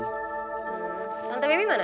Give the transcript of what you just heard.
tante bebi mana